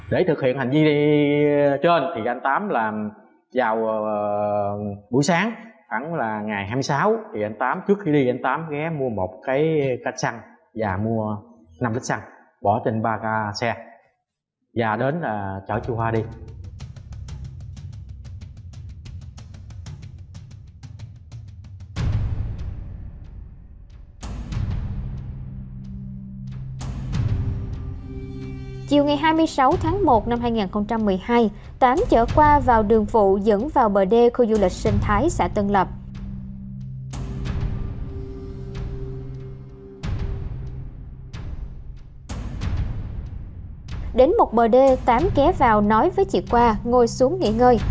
đến một bờ đê tám ké vào nói với chị qua ngồi xuống nghỉ ngơi